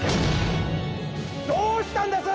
どうしたんです？